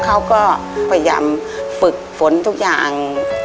เขาก็พยายามฝึกฝนทุกอย่าง